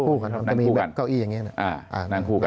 นั่งคู่กันมันจะมีแบบเก้าอี้อย่างเงี้ยนะอ่านั่งคู่กัน